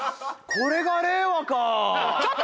これが令和か。